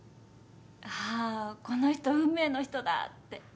ああこの人運命の人だって。